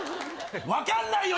分かんないよ